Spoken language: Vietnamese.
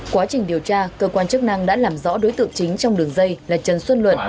quá trình điều tra cơ quan chức năng đã làm rõ đối tượng chính trong đường dây là trần xuân luận